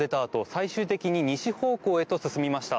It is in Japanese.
最終的に西方向へと進みました。